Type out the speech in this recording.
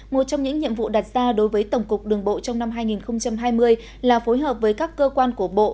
một trong những nhiệm vụ đặt ra đối với tổng cục đường bộ trong năm hai nghìn hai mươi là phối hợp với các cơ quan của bộ